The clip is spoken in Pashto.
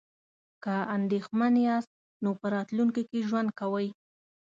که اندیښمن یاست نو په راتلونکي کې ژوند کوئ.